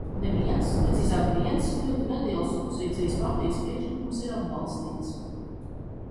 Neviens, precīzāk, viens ļoti neliels opozīcijas partijas priekšlikums ir atbalstīts.